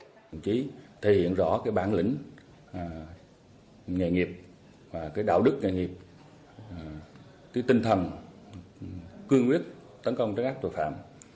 đồng chí thể hiện rõ bản lĩnh nghề nghiệp đạo đức nghề nghiệp tinh thần cương quyết tấn công tấn ác tội phạm